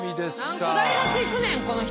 何個大学行くねんこの人。